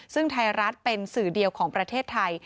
ซึ่งไทยรัฐเป็นสื่อเดียวของประเทศไทย